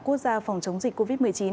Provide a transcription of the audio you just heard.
quốc gia phòng chống dịch covid một mươi chín